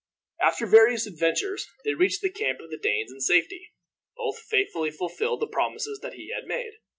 After various adventures, they reached the camp of the Danes in safety. Ulf faithfully fulfilled the promises that he had made.